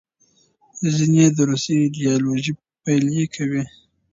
ځینې یې د روسي ایډیالوژي پلې کول.